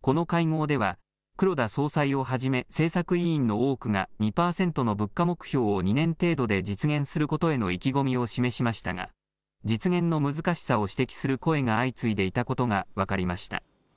この会合では黒田総裁をはじめ政策委員の多くが２％の物価目標を２年程度で実現することへの意気込みを示しましたが実現の難しさを指摘する声が相次いでいたことが分かりました。